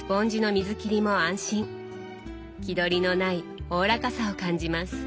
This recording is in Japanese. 気取りのないおおらかさを感じます。